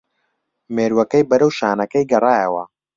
مێرووەکەی بەرەو شانەکەی گەڕایەوە